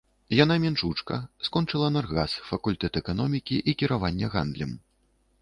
Яна мінчучка, скончыла наргас, факультэт эканомікі і кіравання гандлем.